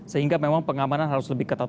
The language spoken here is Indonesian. sehingga memang pengamanan harus lebih ketat